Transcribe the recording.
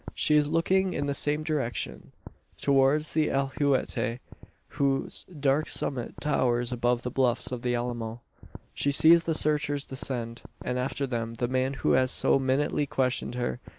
She is looking in the same direction towards the alhuehuete; whose dark summit towers above the bluffs of the Alamo. She sees the searchers descend; and, after them, the man who has so minutely questioned her.